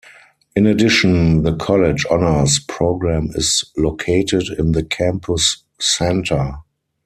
In addition, the College Honors Program is located in the Campus Center.